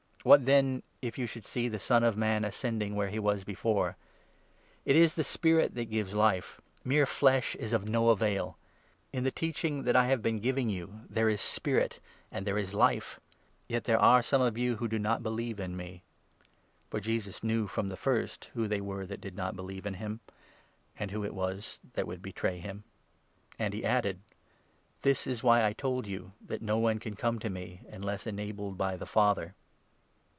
What, then, if you should see the Son of Man ascending where he was before? It is the Spirit that gives Life ; mere flesh is of no avail. In the teach ing that I have been giving you there is Spirit and there is Life. Yet there are some of you who do not believe in me." For Jesus knew from the first who they were that did not believe in him, and who it was that would betray him ; and he added :" This is why I told you that no one can come to me, unless enabled by the Father.